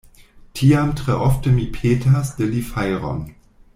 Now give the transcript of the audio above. Tiam tre ofte mi petas de li fajron.